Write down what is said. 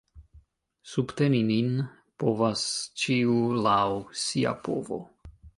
Subteni nin povas ĉiu laŭ sia povo.